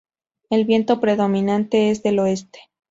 El viento predominante es del oeste.